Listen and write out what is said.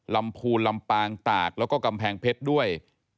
ลำพูนลำปางตากแล้วก็กำแพงเพชรด้วย